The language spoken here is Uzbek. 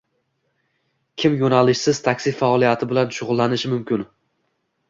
Kim yo‘nalishsiz taksi faoliyati bilan shug‘ullanishi mumkin?